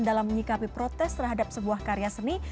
dalam menyikapi protes terhadap sebuah karya seni